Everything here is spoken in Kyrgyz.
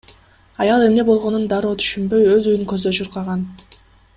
Аял эмне болгонун дароо түшүнбөй, өз үйүн көздөй чуркаган.